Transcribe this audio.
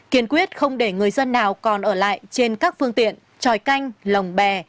một mươi hai kiên quyết không để người dân nào còn ở lại trên các phương tiện tròi canh lồng bè